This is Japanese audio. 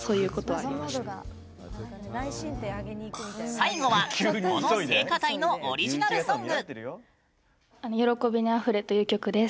最後はこの聖歌隊のオリジナルソング。